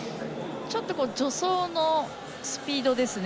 ちょっと助走のスピードですね。